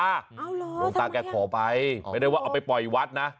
เอาเหรอหลวงตาแกขอไปไม่ได้ว่าเอาไปปล่อยวัดนะ